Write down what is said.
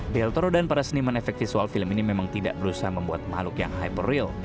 del toro dan para seniman efek visual film ini memang tidak berusaha membuat makhluk yang hyperreal